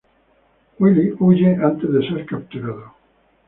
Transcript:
Willy huye antes de ser capturado.